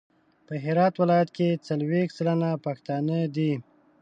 په هرات ولایت کې څلویښت سلنه پښتانه دي.